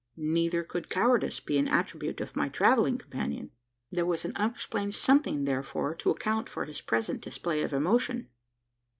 Neither could cowardice be an attribute of my travelling companion. There was an unexplained something, therefore, to account for his present display of emotion.